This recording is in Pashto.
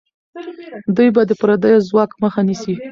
دوی به د پردیو ځواک مخه نیسي.